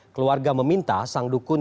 keluarga meminta sangat banyak orang